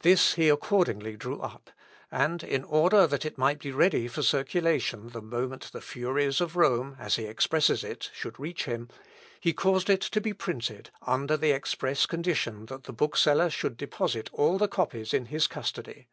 This he accordingly drew up; and, in order that it might be ready for circulation the moment the furies of Rome, as he expresses it, should reach him, he caused it to be printed, under the express condition that the bookseller Should deposit all the copies in his custody.